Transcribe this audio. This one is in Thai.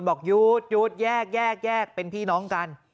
บอกหยุดหยุดแยกแยกเป็นพี่น้องกัน